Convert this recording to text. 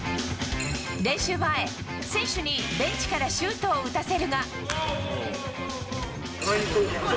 練習前、選手にベンチからシュートを打たせるが。